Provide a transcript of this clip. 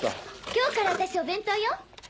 今日から私お弁当よ。